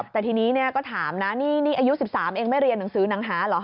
แต่ทีนี้ก็ถามนะนี่อายุ๑๓เองไม่เรียนหนังสือหนังหาเหรอ